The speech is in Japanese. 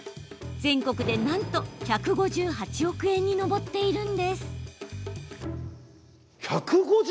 全国で、なんと１５８億円に上っているんです。